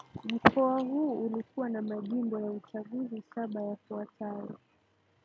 mkoa huu ulikuwa na majimbo ya uchaguzi saba yafuatayo